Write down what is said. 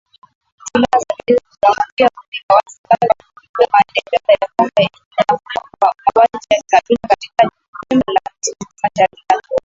silaa za kijeshi ziliziangukia kundi la watu wabaya la Ushirika kwa Maendeleo ya Kongo linalaumiwa kwa mauaji ya kikabila katika jimbo la kaskazini-mashariki la Ituri.